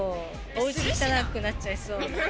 おうちが汚くなっちゃいそう。